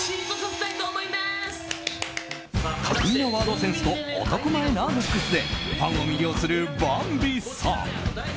巧みなワードセンスと男前なルックスでファンを魅了するヴァンビさん。